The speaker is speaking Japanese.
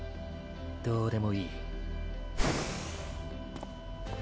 どうでもいい。